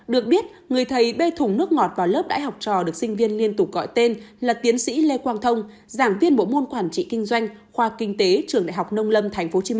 được biết người thầy bê thùng nước ngọt vào lớp đại học trò được sinh viên liên tục gọi tên là tiến sĩ lê quang thông giảng viên bộ môn quản trị kinh doanh khoa kinh tế trường đại học nông lâm tp hcm